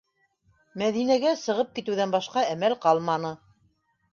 Мәҙинәгә сығып китеүҙән башҡа әмәл ҡалманы.